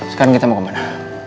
sekarang kita mau ke mana